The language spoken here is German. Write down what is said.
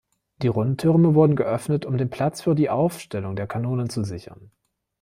Die Rundtürme wurden geöffnet, um den Platz für die Aufstellung der Kanonen zu sichern.